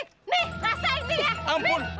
nih rasa ini ya